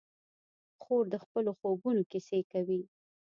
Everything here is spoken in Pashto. خور د خپلو خوبونو کیسې کوي.